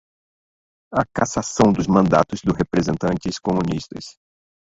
a cassação dos mandatos dos representantes comunistas